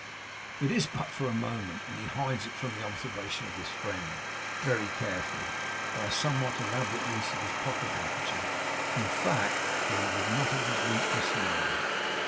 It is but for a moment, and he hides it from the observation of his friend very carefully by a somewhat elaborate use of his pocket handkerchief, in fact; for he would not have his weakness known.